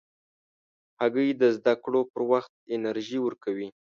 هګۍ د زده کړو پر وخت انرژي ورکوي.